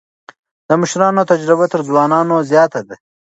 د مشرانو تجربه تر ځوانانو زياته ده.